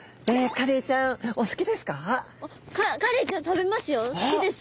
カレイちゃん食べますよ好きです。